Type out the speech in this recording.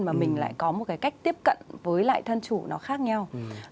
mà mình lại có một cái cách tiếp cận với lại thân chủ nó khác nhau